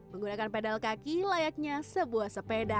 menggunakan pedal kaki layaknya sebuah sepeda